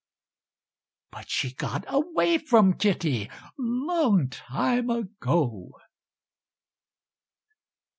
But she got away from kitty, Long time ago.